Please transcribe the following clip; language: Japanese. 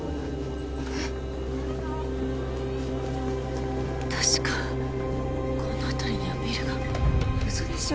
えっ確かこの辺りにはビルが嘘でしょ